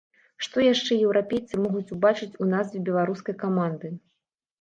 Што яшчэ еўрапейцы могуць убачыць у назве беларускай каманды?